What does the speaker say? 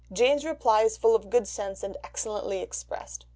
Jane's reply is full of good sense and excellently expressed.